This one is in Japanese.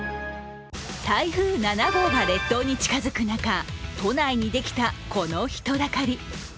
台風７号が列島に近づく中、都内にできたこの人だかり。